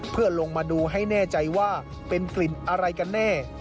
เพื่อลงมาดูให้แน่ใจว่าเป็นกลิ่นอะไรกันแน่